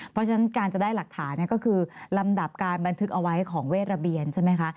เพราะฉะนั้นการจะได้หลักฐานก็คือลำดับการบันทึกเอาไว้ของเวทระเบียนใช่ไหมคะ